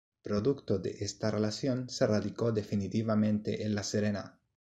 Producto de esta relación, se radicó definitivamente en La Serena.